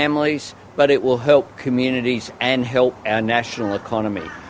tapi juga akan membantu komunitas dan ekonomi nasional kita